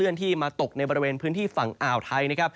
เขื่อนที่มาตกในบริเวณฝั่งอาวไทย